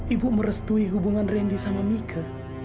ibu merestui hubungan randy sama mika